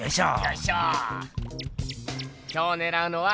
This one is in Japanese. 今日ねらうのは！